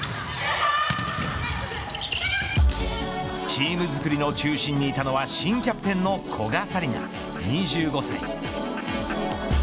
チームづくりの中心にいたのは新キャプテンの古賀紗理那２５歳。